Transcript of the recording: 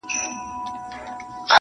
• ستا په تور نصیب ختلې شپه یمه تېرېږمه -